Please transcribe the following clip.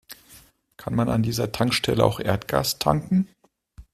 Kann man an dieser Tankstelle auch Erdgas tanken?